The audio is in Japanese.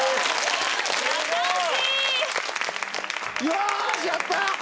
よーしやった！